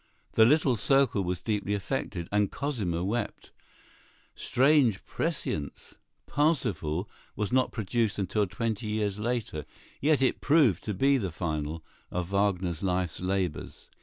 The little circle was deeply affected, and Cosima wept. Strange prescience! "Parsifal" was not produced until twenty years later, yet it proved to be the finale of Wagner's life's labors.